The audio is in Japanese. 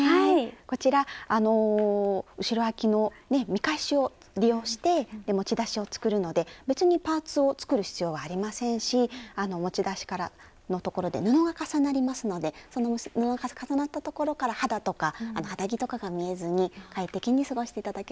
こちら後ろあきの見返しを利用して持ち出しを作るので別にパーツを作る必要はありませんし持ち出しのところで布が重なりますのでその布が重なったところから肌とか肌着とかが見えずに快適に過ごして頂けると思います。